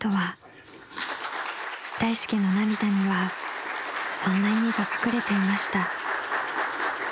［大助の涙にはそんな意味が隠れていました］